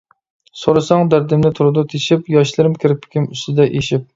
سورىساڭ دەردىمنى تۇرىدۇ تېشىپ، ياشلىرىم كىرپىكىم ئۈستىدە ئېشىپ.